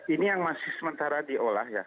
ini yang masih sementara diolah ya